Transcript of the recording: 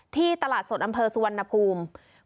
ตลาดสดอำเภอสุวรรณภูมิ